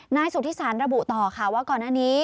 นายสุธิสันระบุต่อว่าก่อนอันนี้